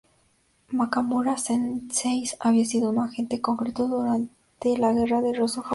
Nakamura Sensei había sido un agente secreto durante la guerra Ruso-Japonesa.